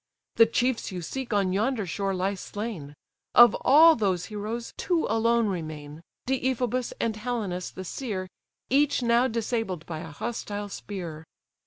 The chiefs you seek on yonder shore lie slain; Of all those heroes, two alone remain; Deiphobus, and Helenus the seer, Each now disabled by a hostile spear.